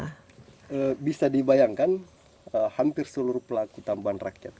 nah bisa dibayangkan hampir seluruh pelaku tambang rakyat ini